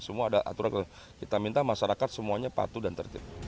semua ada aturan kita minta masyarakat semuanya patuh dan tertib